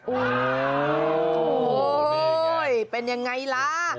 โอ้โหเป็นยังไงล่ะ